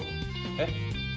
えっ？